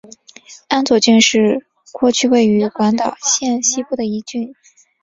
安佐郡是过去位于广岛县西部的一郡。